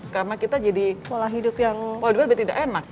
karena kita jadi pola hidup yang lebih tidak enak